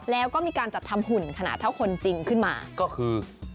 แล้วก็มีการจัดทำหุ่นขนาดเท่าคนจริงขึ้นมาก็คือ